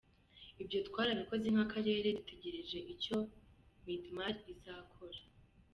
Ibyo twarabikoze nk’Akarere dutegereje ko icyo Midimar izakora.